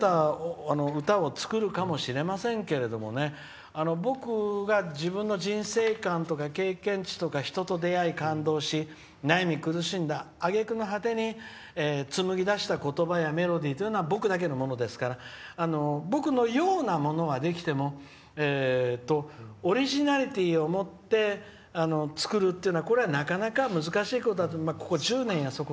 それはＡＩも優れた歌を作るかもしれませんけど僕が自分の人生観とか経験値とか、人と出会い感動し、悩み苦しんだあげくの果てに紡ぎ出した言葉やメロディーというのは僕だけのものですから僕のようなものはできてもオリジナリティーを持って作るというのはこれは、なかなか難しいことだと思う。